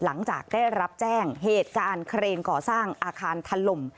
หลังจากได้รับแจ้งเหตุการณ์เครนก่อสร้างอาคารถล่ม